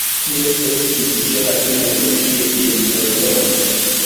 Kio estis ĉe la fino de ĉiuj piednotoj?